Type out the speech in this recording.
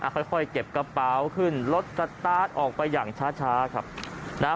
ค่อยเก็บกระเป๋าขึ้นรถสตาร์ทออกไปอย่างช้าครับนะฮะ